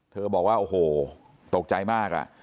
บอกว่าโอ้โหตกใจมาก